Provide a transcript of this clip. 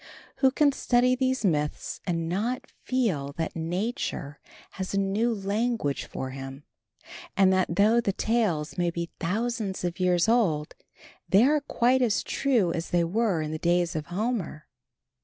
Who can study these myths and not feel that nature has a new language for him, and that though the tales may be thousands of years old, they are quite as true as they were in the days of Homer.